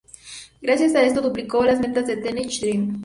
Gracias a esto, duplicó las ventas de "Teenage Dream".